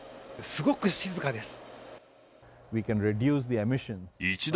すごく静かです。